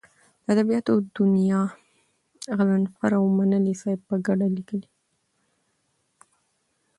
د ادبیاتو دونیا غضنفر اومنلی صاحب په کډه لیکلې ده.